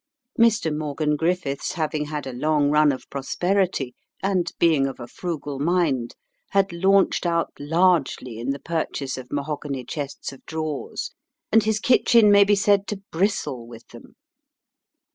Mr. Morgan Griffiths having had a long run of prosperity, and being of a frugal mind, had launched out largely in the purchase of mahogany chests of drawers, and his kitchen may be said to bristle with them.